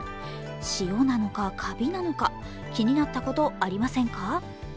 塩なのかカビなのか気になったことありませんか？